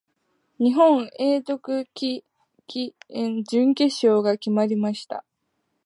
日本・永瀬貴規の準決勝が始まりました。